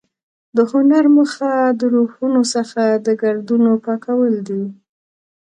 د هنر موخه د روحونو څخه د ګردونو پاکول دي.